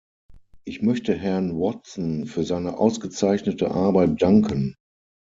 Ich möchte Herrn Watson für seine ausgezeichnete Arbeit danken.